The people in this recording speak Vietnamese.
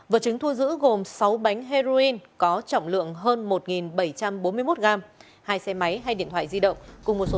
vợ chứng thua giữ gồm sáu bánh heroin có trọng lượng hơn một bảy trăm bốn mươi một gram